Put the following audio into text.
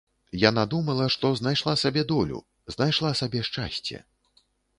Яна думала, што знайшла сабе долю, знайшла сабе шчасце.